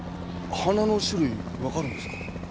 花の種類わかるんですか？